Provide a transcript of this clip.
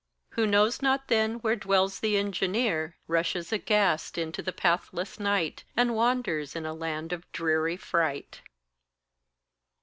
Who knows not then where dwells the engineer, Rushes aghast into the pathless night, And wanders in a land of dreary fright.